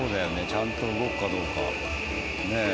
ちゃんと動くかどうかねえ。